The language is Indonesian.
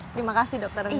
terima kasih dokter dian